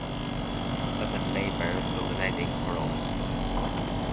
Other labor organizing followed.